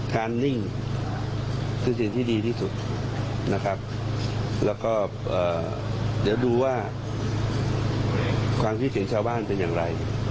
ความที่สิ่งชาวบ้านเป็นอย่างไร